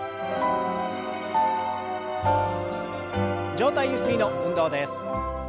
上体ゆすりの運動です。